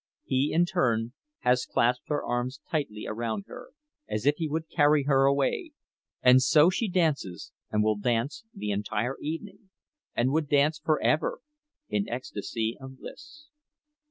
He in turn has clasped his arms tightly around her, as if he would carry her away; and so she dances, and will dance the entire evening, and would dance forever, in ecstasy of bliss.